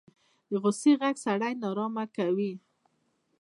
د غوسې غږ سړی نارامه کوي